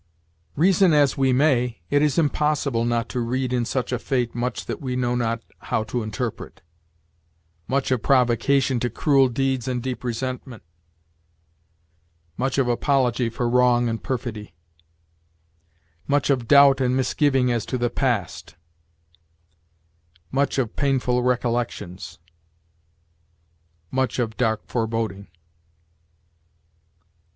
"Reason as we may, it is impossible not to read in such a fate much that we know not how to interpret; much of provocation to cruel deeds and deep resentment; much of apology for wrong and perfidy; much of doubt and misgiving as to the past; much of painful recollections; much of dark foreboding."